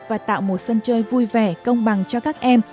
và tạo một sân chơi vui vẻ công bằng cho các em